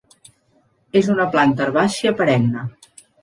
És una planta herbàcia perenne.